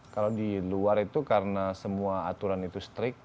kalau di luar itu karena semua aturan itu strict